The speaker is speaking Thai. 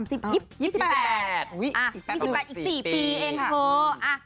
อีก๔ปีเองเขา